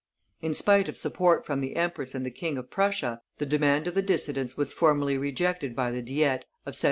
In spite of support from the empress and the King of Prussia, the demand of the dissidents was formally rejected by the Diet of 1766.